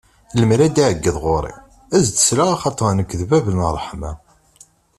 Lemmer ad d-iɛeggeḍ ɣur-i, ad s-d-sleɣ, axaṭer nekk d bab n ṛṛeḥma.